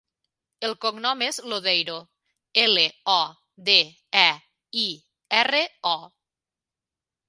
El cognom és Lodeiro: ela, o, de, e, i, erra, o.